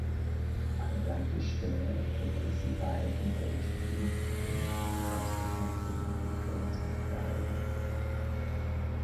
An Gleicherstelle holte sie bei den Deutschen Junioren Meisterschaften die Bronzemedaille.